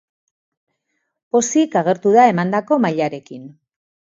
Pozik agertu da emandako mailarekin.